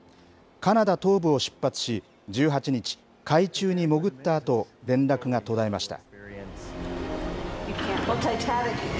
カナダ東部を出発し、１８日、海中に潜ったあと、連絡が途絶えました。